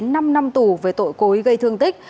năm năm tù về tội cố ý gây thương tích